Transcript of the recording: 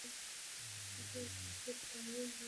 সুভাষ ব্রিগেডকে তিনটি ব্যাটেলিয়নে ভাগ করে নেওয়া হয়।